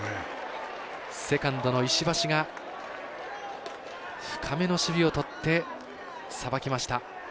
セカンドの石橋が深めの守備をとってさばきました。